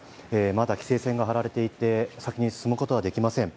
まだ規制線が張られていて、先に進むことができません。